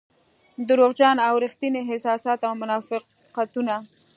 دروغجن او رښتيني احساسات او منافقتونه.